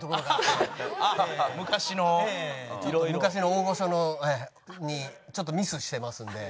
ちょっと昔の大御所にちょっとミスしてますんで。